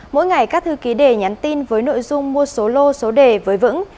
mỗi ngày các thư ký đề nhắn tin với nội dung mua số lô số đề với vững